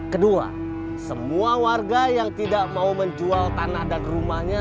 kedua semua warga yang tidak mau menjual tanah dan rumahnya